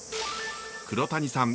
黒谷さん